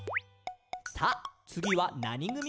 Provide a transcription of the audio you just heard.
「さあ、つぎはなにぐみかな？」